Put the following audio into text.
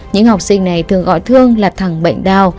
những học sinh này thường gọi thương là thẳng bệnh đau